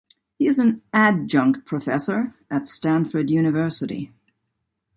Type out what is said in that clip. He is an adjunct professor at Stanford University.